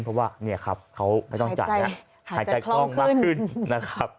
เพราะว่าเขาไม่ต้องจัดหายใจกล้องมากขึ้น